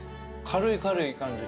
軽い軽い感じ。